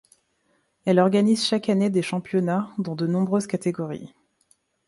Elle organise chaque année des championnats dans de nombreuses catégories.